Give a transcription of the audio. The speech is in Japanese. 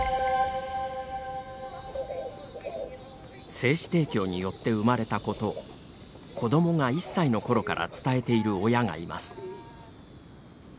精子提供によって生まれたことを子どもが１歳のころから伝えている親がいます。